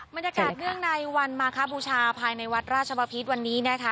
บรรยากาศเนื่องในวันมาคบูชาภายในวัดราชบพิษวันนี้นะคะ